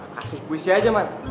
kasih puisi aja man